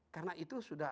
karena itu sudah